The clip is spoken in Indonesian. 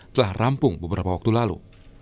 telah rampung beberapa waktu lalu